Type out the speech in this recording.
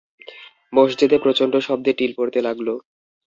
মসজিদে প্রচণ্ড শব্দে টিল পড়তে লাগল।